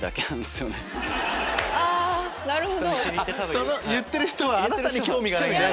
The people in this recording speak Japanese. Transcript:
その言ってる人はあなたに興味がないんだよ。